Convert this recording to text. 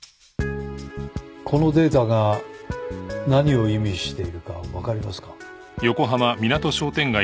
このデータが何を意味しているかわかりますか？